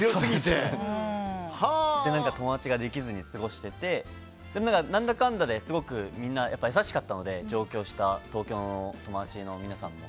友達ができずに過ごしていて何だかんだですごく優しかったので東京の友達の皆さんも。